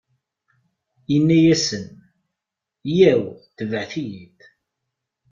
Inna-asen: Yyaw, tebɛet-iyi-d!